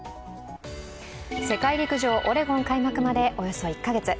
世界陸上オレゴン開幕までおよそ１カ月。